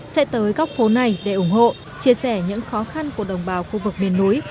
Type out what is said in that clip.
sẽ tới góc phố này để ủng hộ chia sẻ những khó khăn của đồng bào khu vực miền núi